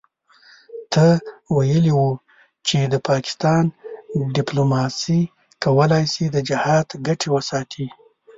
ته ویلي وو چې د پاکستان دیپلوماسي کولای شي د جهاد ګټې وساتي.